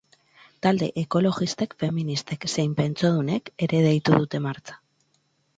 Talde ekologistek, feministek zein pentsiodunek ere deitu dute martxa.